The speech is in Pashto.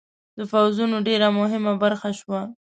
د پوځونو ډېره مهمه برخه شوه.